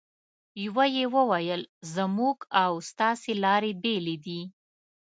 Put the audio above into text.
یوه یې وویل: زموږ او ستاسې لارې بېلې دي.